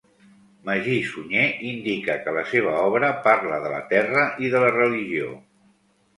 Magí Sunyer indica que la seva obra parla de la terra i de la religió.